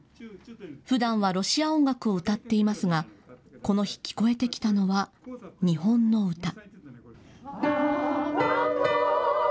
ふだんはロシア音楽を歌っていますがこの日、聞こえてきたのは日本の歌。